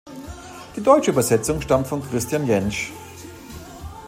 Die deutsche Übersetzung stammt von Christian Jentzsch.